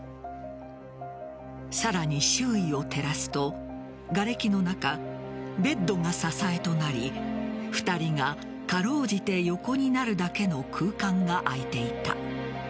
さらに周囲を照らすとがれきの中ベッドが支えとなり２人が辛うじて横になるだけの空間が空いていた。